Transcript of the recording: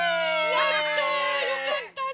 やったよかったね！